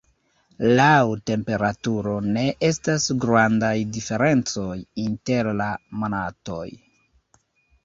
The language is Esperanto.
Laŭ temperaturo ne estas grandaj diferencoj inter la monatoj.